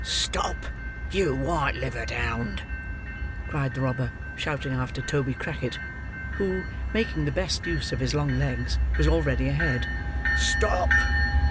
"Stop, you white livered hound!" cried the robber, shouting after Toby Crackit, who, making the best use of his long legs, was already ahead. "Stop!"